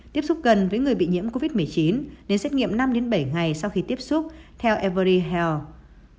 tiếp xúc gần với người bị nhiễm covid một mươi chín đến xét nghiệm năm bảy ngày sau khi tiếp xúc theo every hall